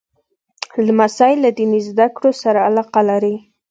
لمسی له دیني زده کړو سره علاقه لري.